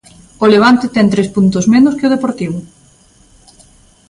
O Levante ten tres puntos menos que o Deportivo.